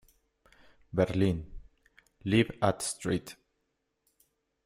Berlin: Live at St.